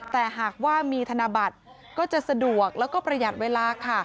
แต่หากว่ามีธนบัตรก็จะสะดวกแล้วก็ประหยัดเวลาค่ะ